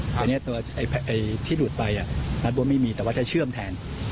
ทีนี้ตัวที่หลุดไปนัดบนไม่มีแต่ว่าจะเชื่อมแทน